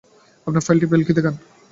আপনার পাইলটি ভেলকি দেখান।